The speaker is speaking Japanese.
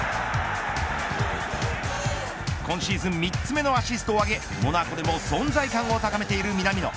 今シーズン３つ目のアシストを挙げモナコでも存在感を高めている南野。